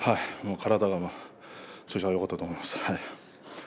体の調子がよかったと思います。